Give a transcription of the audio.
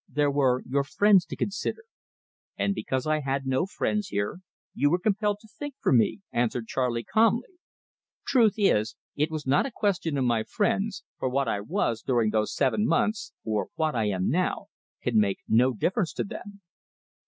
There were your friends to consider." "And because I had no friends here, you were compelled to think for me!" answered Charley calmly. "Truth is, it was not a question of my friends, for what I was during those seven months, or what I am now, can make no difference to them."